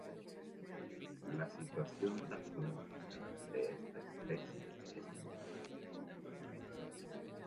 La situación taxonómica de esta especie es problemática.